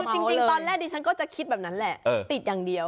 คือจริงตอนแรกดิฉันก็จะคิดแบบนั้นแหละติดอย่างเดียว